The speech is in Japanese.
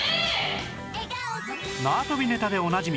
縄跳びネタでおなじみ